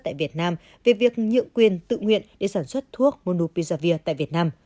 tại việt nam về việc nhượng quyền tự nguyện để sản xuất thuốc monupisavir tại việt nam